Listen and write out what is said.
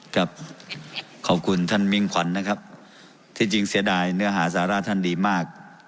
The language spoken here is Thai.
ครับขอบคุณท่านมิ่งขวัญนะครับที่จริงเสียดายเนื้อหาสาระท่านดีมาก